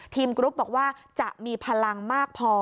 กรุ๊ปบอกว่าจะมีพลังมากพอ